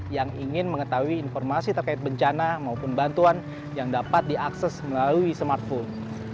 yang ingin mengetahui informasi terkait bencana maupun bantuan yang dapat diakses melalui smartphone